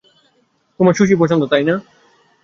তোমার সুশি পছন্দ তাই না?